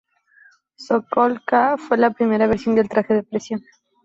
Sokol-K fue la primera versión del traje de presión.